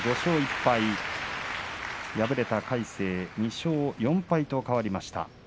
敗れた魁聖２勝４敗と変わりました。